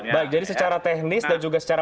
baik jadi secara teknis dan juga secara